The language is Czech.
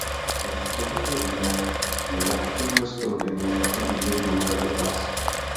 Od tohoto dne ji navštěvuje skoro denně a podnikají dlouhé procházky.